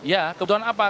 ya kebutuhan apa